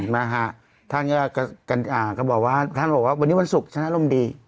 มาฮะท่านก็บอกว่าวันนี้วันศุกร์ชนะร่มดี